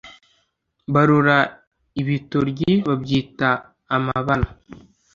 Barora ibitoryi babyita amabano